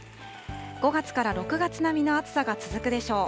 ５月から６月並みの暑さが続くでしょう。